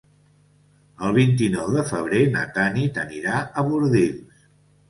El vint-i-nou de febrer na Tanit anirà a Bordils.